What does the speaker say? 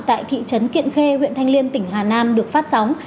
tại thị trấn kiện khê huyện thanh liêm tỉnh hà nam được phát sóng